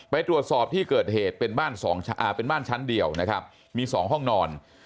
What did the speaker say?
ไปตรวจสอบที่เกิดเหตุเป็นบ้านชั้นเดียวนะครับมี๒ห้องนอน